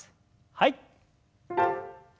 はい。